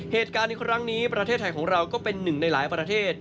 เหตุการณ์ในครั้งนี้ประเทศไทยของเราก็เป็นหนึ่งในหลายประเทศ